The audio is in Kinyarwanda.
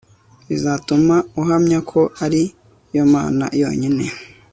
bizatuma uhamya ko ari yo mana yonyine